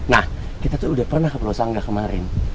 nah kita tuh udah pernah ke pro sanggah kemarin